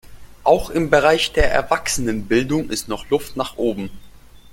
Auch im Bereich der Erwachsenenbildung ist noch Luft nach oben.